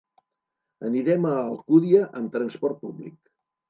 Anirem a l'Alcúdia amb transport públic.